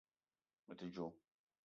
Me te djo